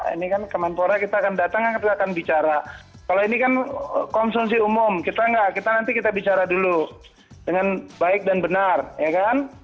ini kan kemenpora kita akan datang kita akan bicara kalau ini kan konsumsi umum kita enggak kita nanti kita bicara dulu dengan baik dan benar ya kan